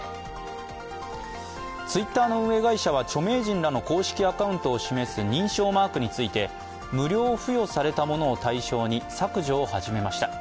Ｔｗｉｔｔｅｒの運営会社は著名人らの公式アカウントを示す認証マークについて、無料付与されたものを対象に削除を始めました。